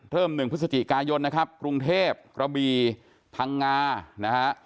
เพิ่มหนึ่งพฤศจิกายนนะครับกรุงเทพระบีทางงานะฮะ